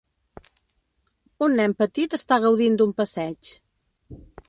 Un nen petit està gaudint d'un passeig.